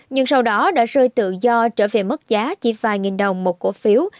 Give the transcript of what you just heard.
nhưng sau đó đã rơi tự do trở về mức giá chỉ vài nghìn đồng một cổ phiếu